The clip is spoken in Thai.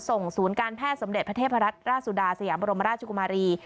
ส่งศูนย์การแพทย์สำเด็จประเทศราชสุดาสยามบรมราชจุกุมารี